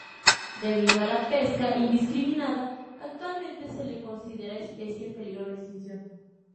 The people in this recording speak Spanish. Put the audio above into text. Debido a la pesca indiscriminada actualmente se lo considera especie en peligro de extinción.